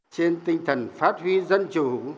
trên tinh thần phát huy dân chủ